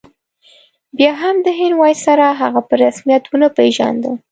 بیا هم د هند ویسرا هغه په رسمیت ونه پېژانده.